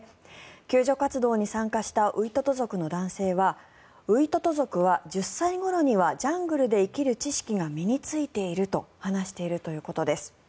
救助活動に参加したウイトト族の男性はウイトト族は１０歳ごろにはジャングルで生きる知識が身についていると話しているということです。